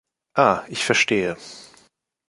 Ah - ich verstehe!